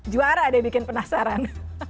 juara deh bikin penasaran